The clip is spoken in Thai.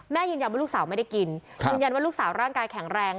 ยืนยันว่าลูกสาวไม่ได้กินยืนยันว่าลูกสาวร่างกายแข็งแรง